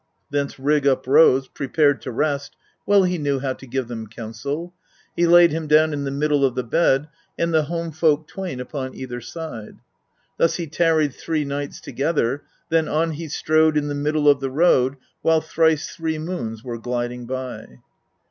5. Thence Rig uprose, prepared to rest ; well he knew how to give them counsel he laid him down in the middle of the bed and the home folk twain upon either side. Thus he tarried three nights together, then on he strode in the middle of the road while thrice three moons were gliding by.